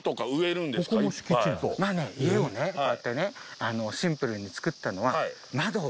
まあね家をねこうやってねシンプルに作ったのは。